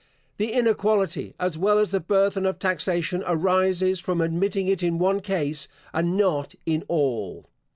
The inequality, as well as the burthen of taxation, arises from admitting it in one case, and not in all.